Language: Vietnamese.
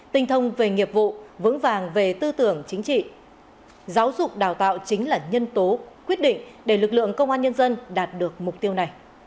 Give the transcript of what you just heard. thật sự trong sạch vững mạnh chính quy tinh nguyện